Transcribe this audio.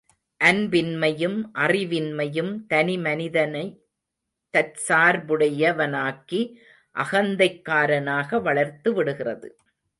அன்பின்மையும் அறிவின்மையும் தனி மனிதனைத் தற்சார்புடையவனாக்கி அகந்தைக்காரனாக வளர்த்து விடுகிறது.